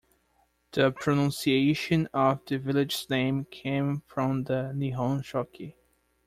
The pronunciation of the village's name came from the Nihon Shoki.